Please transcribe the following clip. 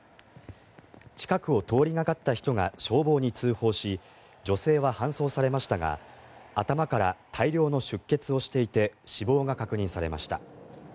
近くを通りがかった人が消防に通報し女性は搬送されましたが頭から大量の出血をしていて死亡が確認されました。